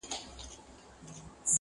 نوي کورونه جوړ سوي دلته ډېر.